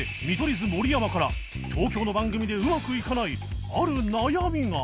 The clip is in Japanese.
図盛山から東京の番組でうまくいかないある悩みが